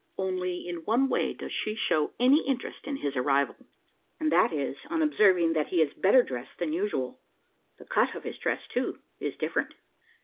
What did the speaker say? Only in one way does she show any interest in his arrival; and that is, on observing that he is better dressed than usual. The cut of his dress too, is different.